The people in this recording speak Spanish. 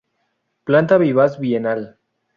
Planta vivaz bienal.